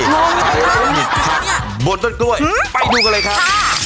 ลงในต้นกล้วยปลูกผักบนต้นกล้วยไปดูกันเลยค่ะค่ะ